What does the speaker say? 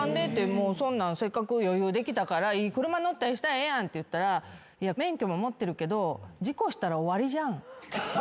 もうそんなんせっかく余裕できたからいい車乗ったりしたらええやんって言ったら免許も持ってるけど。